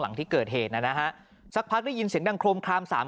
หลังที่เกิดเหตุนะฮะสักพักได้ยินเสียงดังโครมคลามสาม